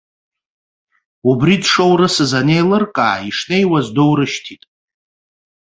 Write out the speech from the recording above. Убри дшоурысыз анеилыркаа, ишнеиуаз доурышьҭит.